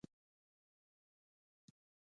په پښتونولۍ کې د مشرانو احترام واجب دی.